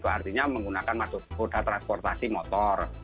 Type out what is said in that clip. artinya menggunakan maksud kuda transportasi motor